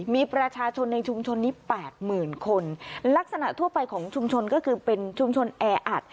มีประชาชนในชุมชนนี้แปดหมื่นคนลักษณะทั่วไปของชุมชนก็คือเป็นชุมชนแออัด